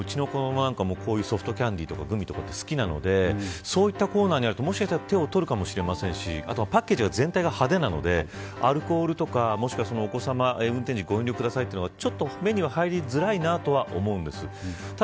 うちの子なんかもこういうソフトキャンディとかグミ好きなのでそういったことになるともしかしたら手に取るかもしれませんしまたパッケージ全体が派手なのでアルコールとか、もしくは運転時ご遠慮くださいというのが目には入りづらいなとは思うんです。